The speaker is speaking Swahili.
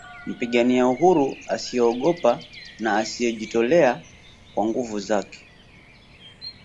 Mpigania uhuru asiyeogopa na aliyejitolea kwa nguvu zake